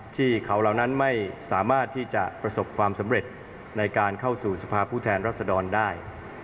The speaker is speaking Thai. ที่เขาเหล่านั้นไม่สามารถที่จะประสบความสำเร็จในการเข้าสู่สภาพผู้แทนรัศดรได้